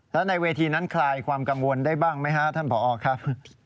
แล้วในเวทีนั้นคลายความกังวลได้บ้างไหมฮะท่านผอครับ